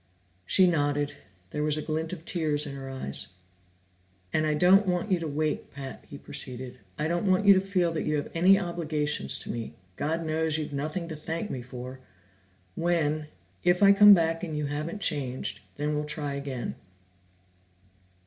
She nodded; there was a glint of tears in her eyes. "And I don't want you to wait, Pat," he proceeded. "I don't want you to feel that you have any obligations to me God knows you've nothing to thank me for! When If I come back and you haven't changed, then we'll try again."